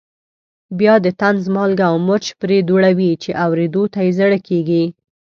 بیا د طنز مالګه او مرچ پرې دوړوي چې اورېدو ته یې زړه کېږي.